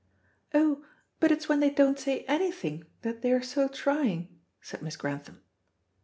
"Oh, but it's when they don't say anything that they're so trying," said Miss Grantham.